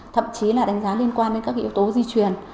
thậm chí là đánh giá liên quan đến các yếu tố di truyền